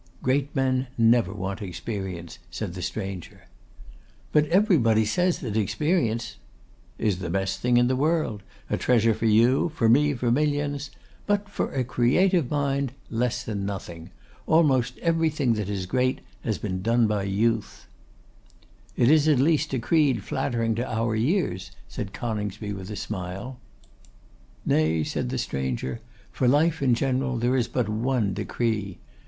'Great men never want experience,' said the stranger. 'But everybody says that experience ' 'Is the best thing in the world, a treasure for you, for me, for millions. But for a creative mind, less than nothing. Almost everything that is great has been done by youth.' 'It is at least a creed flattering to our years,' said Coningsby, with a smile. 'Nay,' said the stranger; 'for life in general there is but one decree.